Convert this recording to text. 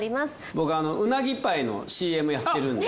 僕うなぎパイのＣＭやってるので。